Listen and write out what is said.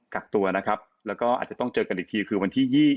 กักตัวนะครับแล้วก็อาจจะต้องเจอกันอีกทีคือวันที่๒๐